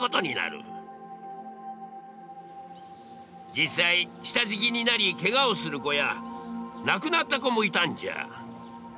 実際下敷きになりけがをする子や亡くなった子もいたんじゃ。